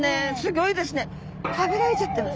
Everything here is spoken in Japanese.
ギョいですね。